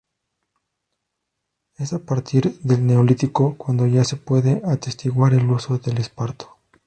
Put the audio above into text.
Es a partir del Neolítico cuando ya se puede atestiguar el uso del esparto.